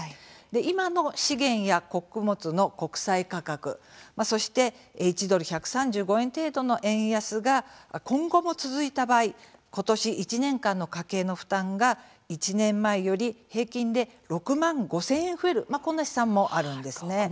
今の資源や穀物の国際価格そして１ドル、１３５円程度の円安が今後も続いた場合ことし１年間の家計の負担が１年前より平均で６万５０００円増えるこんな試算もあるんですね。